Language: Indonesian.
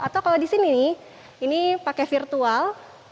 atau kalau di sini nih ini pakai virtual